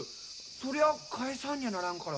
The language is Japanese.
そりゃ返さんにゃならんから。